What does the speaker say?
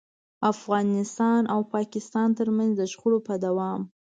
افغانستان او پاکستان ترمنځ د شخړو په دوام.